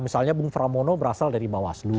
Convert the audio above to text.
misalnya bung pramono berasal dari bawaslu